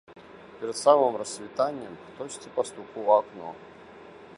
Перад самым рассвітаннем хтосьці пастукаў у акно.